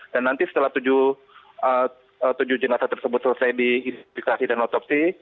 dan nanti setelah tujuh jenazah tersebut selesai di identifikasi dan otopsi